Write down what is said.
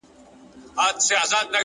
چي ته نه يې زما په ژونــــد كــــــي!!